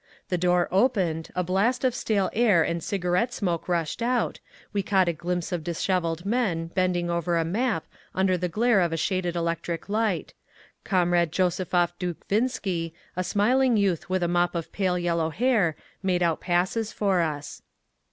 The door opened, a blast of stale air and cigarette smoke rushed out, we caught a glimpse of dishevelled men bending over a map under the glare of a shaded electric light…. Comrade Josephov Dukhvinski, a smiling youth with a mop of pale yellow hair, made out passes for us.